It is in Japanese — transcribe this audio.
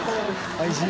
おいしい？